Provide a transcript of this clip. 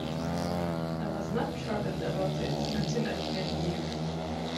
I was not troubled about it until I came here.